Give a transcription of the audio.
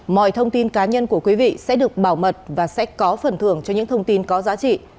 mọi thông tin cá nhân của quý vị sẽ được bảo mật và sẽ có phần thưởng cho những thông tin có giá trị